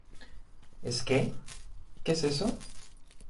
¿ Es qué? ¿ qué es eso ?